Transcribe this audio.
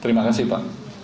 terima kasih pak